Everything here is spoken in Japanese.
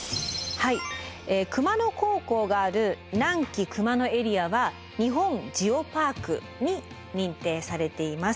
熊野高校がある南紀熊野エリアは「日本ジオパーク」に認定されています。